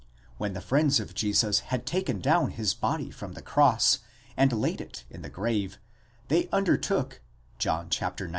When the friends of Jesus had taken down his body from the cross, and laid it in the grave, they undertook (John xix.